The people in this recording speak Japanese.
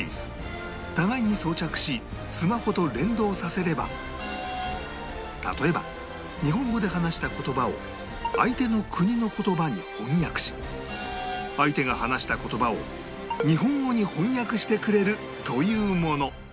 互いに装着しスマホと連動させれば例えば日本語で話した言葉を相手の国の言葉に翻訳し相手が話した言葉を日本語に翻訳してくれるというもの